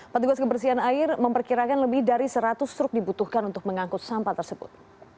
petugas kebersihan air memperkirakan lebih dari seratus truk dibutuhkan untuk mengangkut sampah tersebut